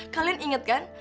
kalian inget kan